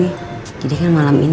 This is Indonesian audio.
tapi masih ada yang menunggu siang